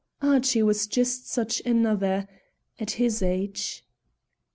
"Archie was just such another at his age."